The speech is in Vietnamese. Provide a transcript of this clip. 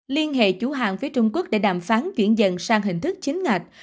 liên hệ chủ hàng phía trung quốc để đàm phán chuyển dần sang hình thức chính ngạch